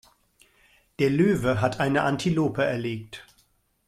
Der Löwe hat eine Antilope erlegt.